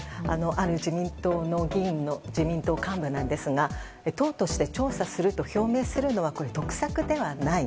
ある自民党議員の幹部ですが党として調査すると表明するのは得策ではない。